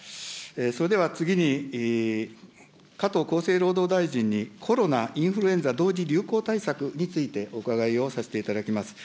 それでは次に、加藤厚生労働大臣にコロナ、インフルエンザ同時流行対策についてお伺いをさせていただきます。